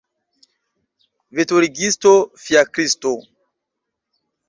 Veturigisto fiakristo!